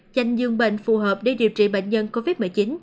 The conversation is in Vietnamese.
dành riêng bệnh phù hợp để điều trị bệnh nhân covid một mươi chín